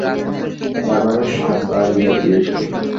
রাবারের সাপ বা এই জাতীয় কিছু?